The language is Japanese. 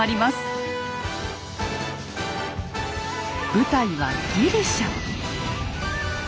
舞台はギリシャ。